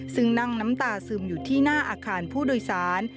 ซึ่งนั่งน้ำตาซึมอยู่ที่หน้าอาคารผู้โดยสาร